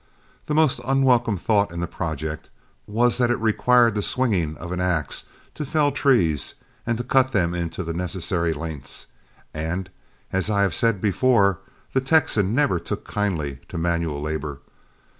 The most unwelcome thought in the project was that it required the swinging of an axe to fell trees and to cut them into the necessary lengths, and, as I have said before, the Texan never took kindly to manual labor.